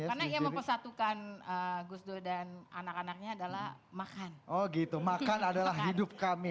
karena ia mempersatukan gusdur dan anak anaknya adalah makan oh gitu makan adalah hidup kami